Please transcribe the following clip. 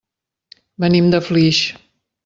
Venim de Flix.